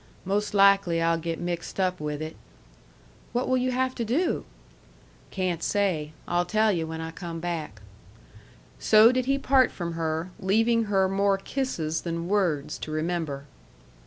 "Most likely I'll get mixed up with it." "What will you have to do?" "Can't say. I'll tell yu' when I come back." So did he part from her, leaving her more kisses than words to remember.